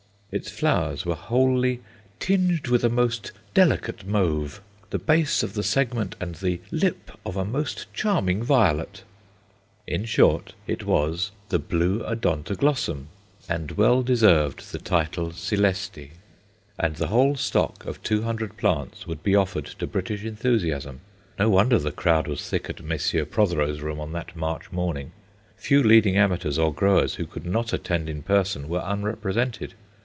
Its flowers were wholly "tinged with a most delicate mauve, the base of the segment and the lip of a most charming violet" in short, it was "the blue Odontoglossum" and well deserved the title coeleste. And the whole stock of two hundred plants would be offered to British enthusiasm. No wonder the crowd was thick at Messrs. Protheroe's room on that March morning. Few leading amateurs or growers who could not attend in person were unrepresented.